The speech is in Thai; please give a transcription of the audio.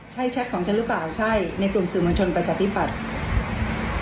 ใช่แชทของฉันหรือเปล่าใช่ในกลุ่มสื่อมวลชนประชาธิปัตย์